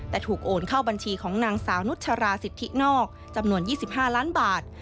แต่ถูกโอนเข้าบัญชีของนางสาวนุชราสิทธินอกจำนวน๒๕ล้านบาท